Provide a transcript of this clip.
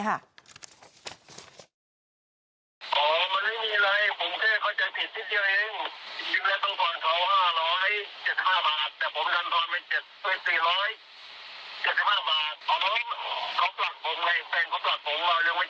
แท็กซี่ผมก็เลยต้องไปเรียกกับหมวดในมาร์คเคียง